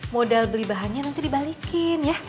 modal beli bahannya nanti dibalikin ya